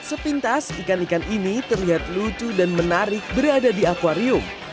sepintas ikan ikan ini terlihat lucu dan menarik berada di akwarium